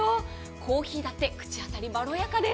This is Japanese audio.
コーヒーだって口当たりまろやかです。